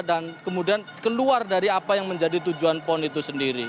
dan kemudian keluar dari apa yang menjadi tujuan pon itu sendiri